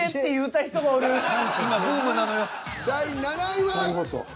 第７位は？